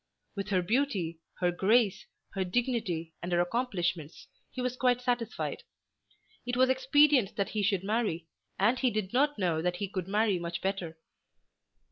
With her beauty, her grace, her dignity, and her accomplishments he was quite satisfied. It was expedient that he should marry, and he did not know that he could marry much better.